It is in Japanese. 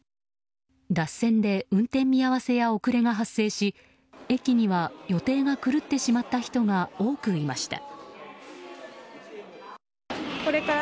脱線で運転見合わせや遅れが発生し駅には予定が狂ってしまった人が多くいました。